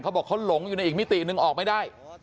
เขาบอกเขาหลงอยู่ในอีกมิติหนึ่งออกไม่ได้